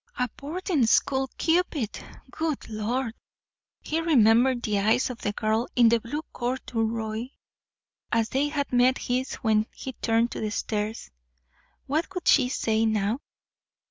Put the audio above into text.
A boarding school cupid! Good lord! He remembered the eyes of the girl in blue corduroy as they had met his when he turned to the stairs. What would she say now?